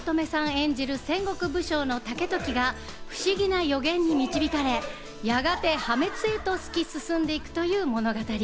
演じる戦国武将の武時が、不思議な予言に導かれ、やがて破滅へと突き進んでいくという物語。